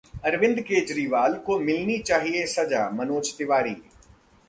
अरविंद केजरीवाल को मिलनी चाहिए सजा: मनोज तिवारी